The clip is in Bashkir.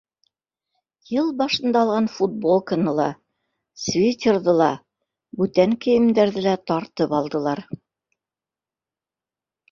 Йыл башында алған футболканы ла, свитерҙы ла, бүтән кейемдәрҙе лә тартып алдылар.